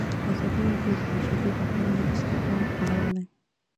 ازادي راډیو د د بشري حقونو نقض ته پام اړولی.